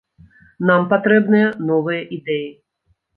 Нам патрэбныя новыя ідэі.